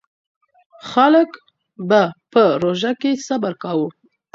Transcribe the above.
خلک به په روژه کې صبر کاوه.